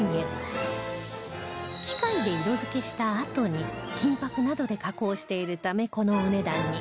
機械で色づけしたあとに金箔などで加工しているためこのお値段に